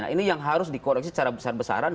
nah ini yang harus dikoreksi secara besar besaran